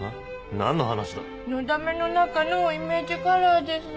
何の話だ？のだめの中のイメージカラーです。